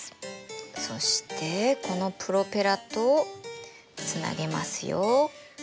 そしてこのプロペラとつなげますよ。